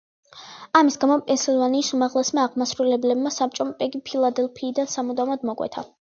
ამის გამო, პენსილვანიის უმაღლესმა აღმასრულებელმა საბჭომ, პეგი ფილადელფიიდან სამუდამოდ მოკვეთა.